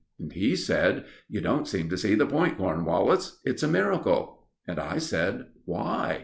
And he said: "You don't seem to see the point, Cornwallis. It's a miracle." And I said: "Why?"